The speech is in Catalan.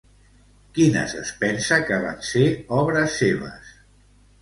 Quines es pensa que van ser obres seves?